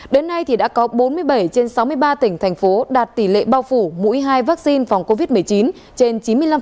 đến nay đã có bốn mươi bảy trên sáu mươi ba tỉnh thành phố đạt tỷ lệ bao phủ mỗi hai vaccine phòng covid một mươi chín trên chín mươi năm